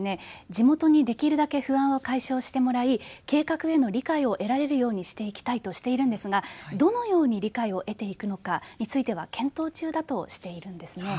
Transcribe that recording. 地元にできるだけ不安を解消してもらい計画への理解を得られるようにしていきたいとしているんですがどのように理解を得ていくのかについては検討中だとしているんですね。